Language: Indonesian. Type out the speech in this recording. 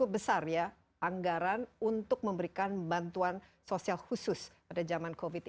sehingga saya lihat ini pemerintah juga sudah menyisihkan sebagian cukup besar ya anggaran untuk memberikan bantuan sosial khusus pada zaman covid sembilan belas